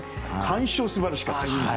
鑑賞すばらしかったですね。